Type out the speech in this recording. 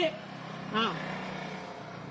เอ้า